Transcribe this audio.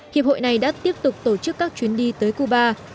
hiệp hội này đã tiếp tục tổ chức các chuyến đi tới cuba